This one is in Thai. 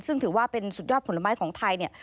ซึ่งถือว่าเป็นสุดยอดผลไม้ของไทยเนี่ย